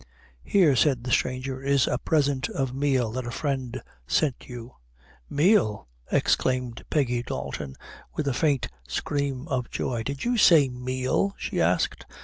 "Here," said the stranger, "is a present of meal that a' friend sent you." "Meal!" exclaimed Peggy Dalton, with a faint scream of joy; "did you say meal?" she asked.